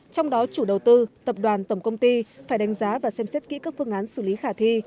trong đó chủ đầu tư tập đoàn tổng công ty phải đánh giá và xem xét kỹ các phương án xử lý khả thi